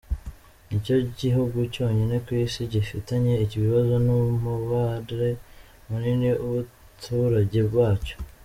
Nicyo gihugu cyonyine kwisi gifitanye ibibazo n’umubare munini w’abaturage bacyo